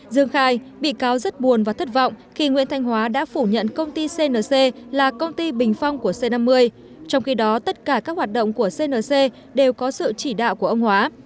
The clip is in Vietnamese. dương khai bị cáo rất buồn và thất vọng khi nguyễn thanh hóa đã phủ nhận công ty cnc là công ty bình phong của c năm mươi trong khi đó tất cả các hoạt động của cnc đều có sự chỉ đạo của ông hóa